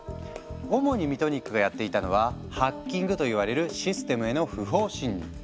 主にミトニックがやっていたのは「ハッキング」といわれるシステムへの不法侵入。